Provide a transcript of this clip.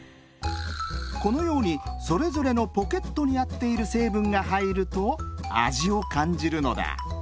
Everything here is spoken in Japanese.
このようにそれぞれのポケットにあっているせいぶんがはいるとあじをかんじるのだ。